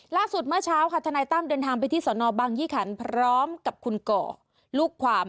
เมื่อเช้าค่ะทนายตั้มเดินทางไปที่สนบังยี่ขันพร้อมกับคุณก่อลูกความ